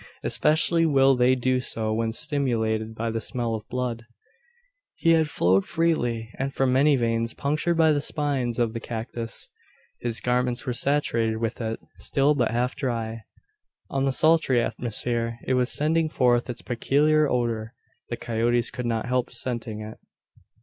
Especially will they do so when stimulated by the smell of blood. His had flowed freely, and from many veins punctured by the spines of the cactus. His garments were saturated with it, still but half dry. On the sultry atmosphere it was sending forth its peculiar odour. The coyotes could not help scenting it.